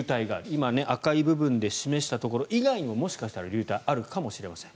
今、赤い部分で示したところ以外にももしかしたら流体があるかもしれません。